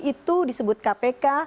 itu disebut kpk